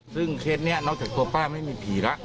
ซึ่งเคสนี้นอกจากตัวป้าไม่มีผีแล้ว